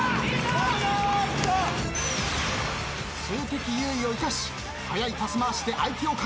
数的優位を生かし速いパス回しで相手をかく乱。